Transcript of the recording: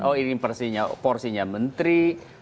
oh ini porsinya menteri